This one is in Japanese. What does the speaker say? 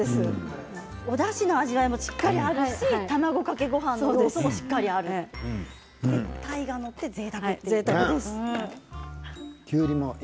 おだしの味わいもあるし卵かけごはんもしっかりあるし鯛も載っていて、ぜいたくですね。